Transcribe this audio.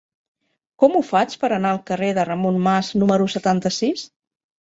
Com ho faig per anar al carrer de Ramon Mas número setanta-sis?